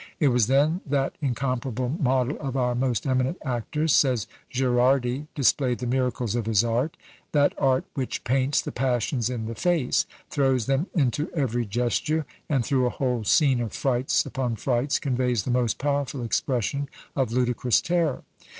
"It was then that incomparable model of our most eminent actors," says Gherardi, "displayed the miracles of his art; that art which paints the passions in the face, throws them into every gesture, and through a whole scene of frights upon frights, conveys the most powerful expression of ludicrous terror.